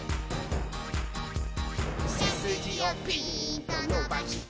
「せすじをピーントのばして」